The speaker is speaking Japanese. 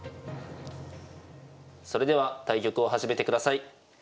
それでは対局を始めてください。